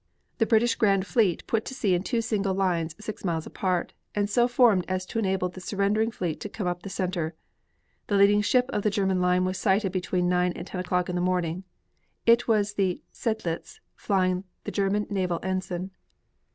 The British grand fleet put to sea in two single lines six miles apart, and so formed as to enable the surrendering fleet to come up the center. The leading ship of the German line was sighted between 9 and 10 o'clock in the morning. It was the Seydlitz, flying the German naval ensign.